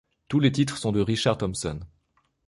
Tous les titres sont de Richard Thompson.